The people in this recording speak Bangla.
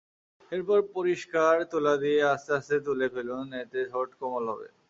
এরপর পরিষ্কার তুলা দিয়ে আস্তে আস্তে তুলে ফেলুন, এতে ঠোঁট কোমল হবে।